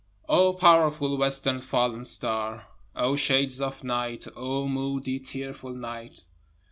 2 O powerful western fallen star! O shades of night O moody, tearful night!